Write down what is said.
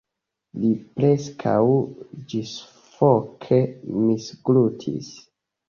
Li preskaŭ ĝissufoke misglutis.